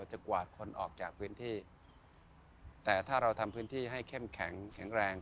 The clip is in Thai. กวาดคนออกจากพื้นที่แต่ถ้าเราทำพื้นที่ให้เข้มแข็งแข็งแรง